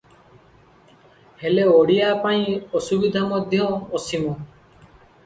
ହେଲେ ଓଡ଼ିଆ ପାଇଁ ଅସୁବିଧା ମଧ୍ୟ ଅସୀମ ।